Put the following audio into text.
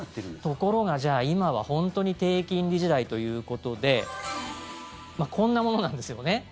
ところが、じゃあ今は本当に低金利時代ということでこんなものなんですよね。